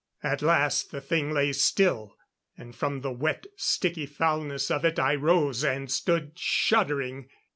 At last the thing lay still; and from the wet, sticky foulness of it I rose and stood shuddering.